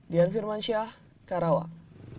dian firmansyah karawang